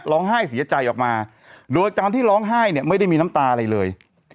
ร้องไห้เสียใจออกมาโดยการที่ร้องไห้เนี่ยไม่ได้มีน้ำตาอะไรเลย